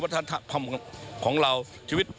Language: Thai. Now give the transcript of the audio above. เพราะฉะนั้นวัฒนธรรมและชีวิต